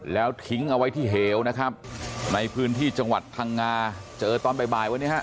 แล้วทิ้งเอาไว้ที่เหวนะครับในพื้นที่จังหวัดพังงาเจอตอนบ่ายบ่ายวันนี้ฮะ